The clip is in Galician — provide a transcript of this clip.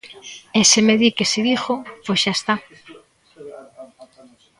E se me di que si digo, pois xa está.